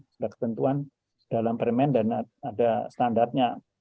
sudah ketentuan dalam permen dan ada standarnya